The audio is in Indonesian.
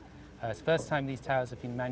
ini adalah pertama kali pergerakan ini